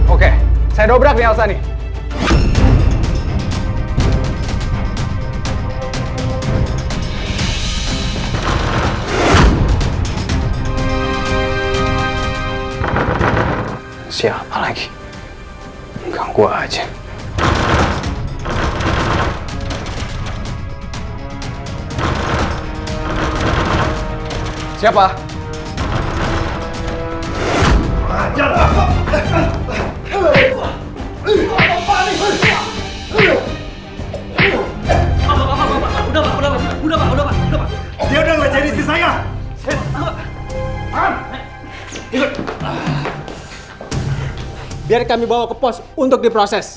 oke saya dobrak nih alasan ini